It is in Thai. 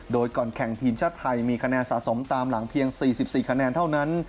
โดยก่อนแข่งทีมชาติไทยมีคะแนนสะสมตามหลังเพียง๔๔คะแนนเท่านั้น